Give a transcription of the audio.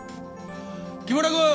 木村君！